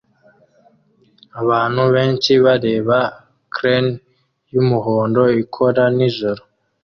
Abantu benshi bareba crane yumuhondo ikora nijoro